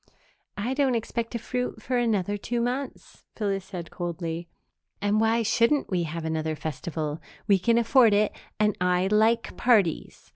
"I don't expect to fruit for another two months," Phyllis said coldly, "and why shouldn't we have another festival? We can afford it and I like parties.